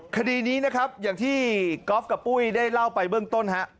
คดีนี้นะครับอย่างที่ก๊อฟกับปุ้ยได้เล่าไปเบื้องต้นฮะ